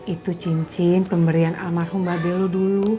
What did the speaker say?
itu cincin pemberian almarhum mbak bellu dulu